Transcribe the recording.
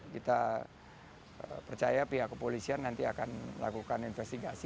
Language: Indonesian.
kita percaya pihak kepolisian nanti akan melakukan investigasi